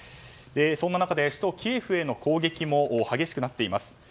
そんな中で首都キエフへの攻撃も激しくなっています。